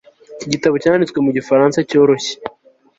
iki gitabo cyanditswe mu gifaransa cyoroshye